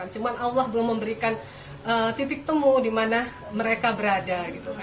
cuma allah belum memberikan titik temu di mana mereka berada